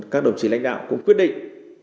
các đồng chí lãnh đạo cũng quyết định